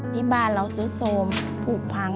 ที่บ้านเราซื้อโซมผูกพัง